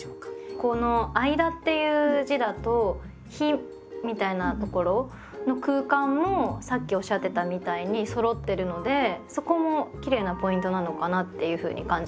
この「間」っていう字だと「日」みたいなところの空間もさっきおっしゃってたみたいにそろってるのでそこもきれいなポイントなのかなっていうふうに感じました。